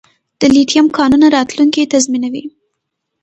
د لیتیم کانونه راتلونکی تضمینوي